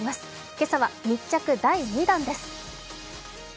今朝は密着第２弾です。